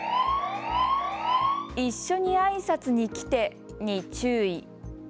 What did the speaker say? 一緒にあいさつに来てに注意。